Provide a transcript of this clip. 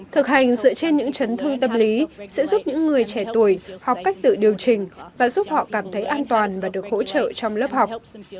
thực hành dựa trên những chấn thương tâm lý sẽ giúp những người trẻ tuổi học cách tự điều chỉnh và giúp họ cảm thấy an toàn và được hỗ trợ trong lớp học